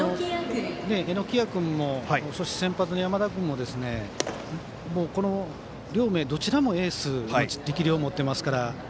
榎谷君も、先発の山田君も両名、どちらもエースの力量を持っていますから。